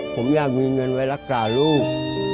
ผมอยากมีเงินไว้รักษาลูก